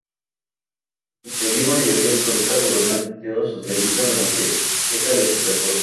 Al conseguir mayoría absoluta gobernó el partido socialista durante esta legislatura.